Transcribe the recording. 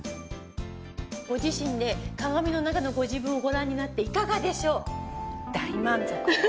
ご自身で鏡の中のご自分をご覧になっていかがでしょう？